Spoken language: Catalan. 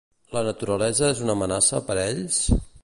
La naturalesa és una amenaça per ells?